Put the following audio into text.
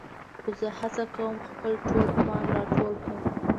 خو زه هڅه کوم خپل ټول توان راټول کړم.